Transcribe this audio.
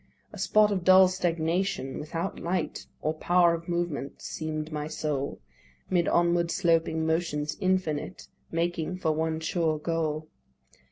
A spot of dull stagnation, without light Or power of movement, seem'd my soul, 'Mid onward sloping motions infinite Making for one sure goal.